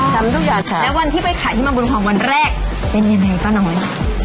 ทำทุกอย่างค่ะแล้ววันที่ไปขายที่มาบุญทองวันแรกเป็นยังไงป้าน้อย